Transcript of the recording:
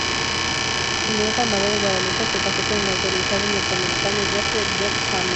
Su nieta María de Guadalupe se casó con el naturalizado norteamericano Joseph John Chapman.